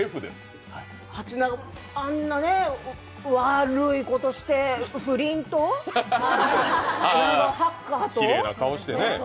あんな悪いことして、不倫と、きれいなハッカーと？